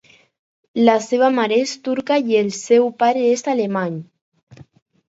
La seva mare és turca i el seu pare és alemany.